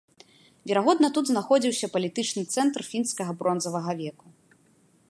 Верагодна, тут знаходзіўся палітычны цэнтр фінскага бронзавага веку.